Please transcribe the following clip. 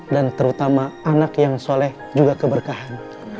dan terutama anak yang soleh juga keberkahan